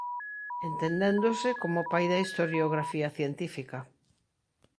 Entendéndose como pai da historiografía científica.